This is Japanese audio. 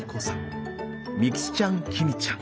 みきちゃんきみちゃん。